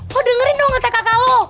lo dengerin dong kata kakak lo